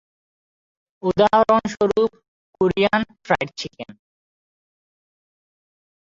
উদাহরণস্বরূপ- Korean fried chicken.